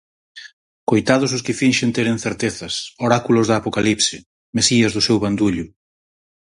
Coitados os que finxen teren certezas, oráculos da apocalipse, mesías do seu bandullo